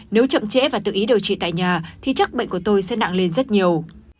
nếu chậm trễ và tự ý điều trị tại nhà thì chắc bệnh của tôi sẽ nặng lên rất nhiều